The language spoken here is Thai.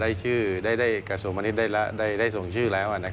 ได้กระโสงวันนี้ได้ส่งชื่อแล้วฮะ